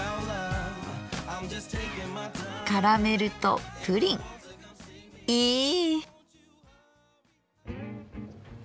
カラメルとプリンいい！